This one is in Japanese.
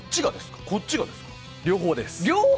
両方です。